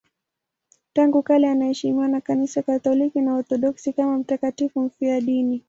Tangu kale anaheshimiwa na Kanisa Katoliki na Waorthodoksi kama mtakatifu mfiadini.